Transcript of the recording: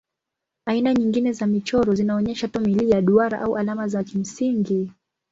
Aina nyingine za michoro zinaonyesha tu milia, duara au alama za kimsingi.